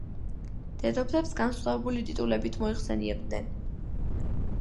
დედოფლებს განსხვავებული ტიტულებით მოიხსენიებდნენ.